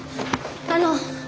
あの！